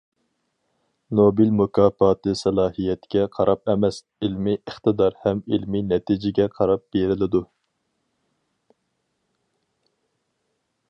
نوبېل مۇكاپاتى سالاھىيەتكە قاراپ ئەمەس، ئىلمىي ئىقتىدار ھەم ئىلمىي نەتىجىگە قاراپ بېرىلىدۇ.